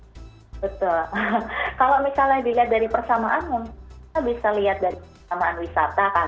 betul kalau misalnya dilihat dari persamaan kita bisa lihat dari persamaan wisata kan